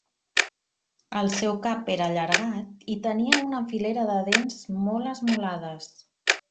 El seu cap era allargat i tenia una filera de dents molt esmolades.